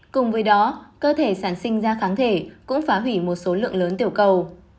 cùng với đó cơ thể sản sinh ra kháng thể cũng phá hủy một số lượng lớn tiểu cầu